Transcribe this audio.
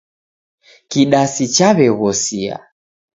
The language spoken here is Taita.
Kidasi chaw'eghosia.